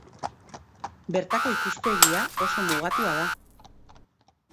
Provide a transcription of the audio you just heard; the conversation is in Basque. Bertako ikuspegia oso mugatua da.